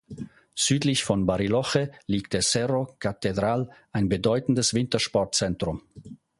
Südlich von Bariloche liegt der "Cerro Catedral", ein bedeutendes Wintersportzentrum.